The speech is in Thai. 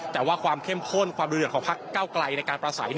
แต่ว่าความเข้มข้นความดูเดือดของพักเก้าไกลในการประสัย